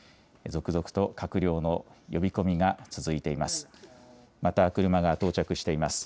続々と閣僚の呼び込みが続いています。